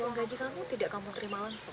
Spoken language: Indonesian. uang gaji kamu tidak kamu terima langsung